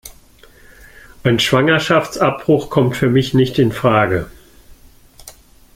Ein Schwangerschaftsabbruch kommt für mich nicht infrage.